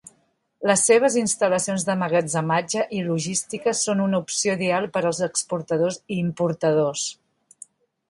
Les seves instal·lacions d'emmagatzematge i logística són una opció ideal per als exportadors i importadors.